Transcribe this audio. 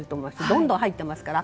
どんどん入っていますから。